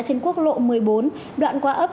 trên quốc lộ một mươi bốn đoạn qua ấp